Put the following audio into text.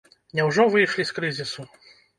Няўжо выйшлі з крызісу?